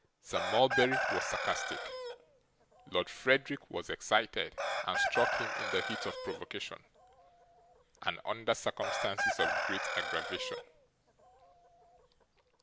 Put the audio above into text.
Sir Mulberry was sarcastic; Lord Frederick was excited, and struck him in the heat of provocation, and under circumstances of great aggravation.